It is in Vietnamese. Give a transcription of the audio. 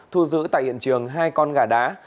thu giữ tại hiện trường hai con gà đá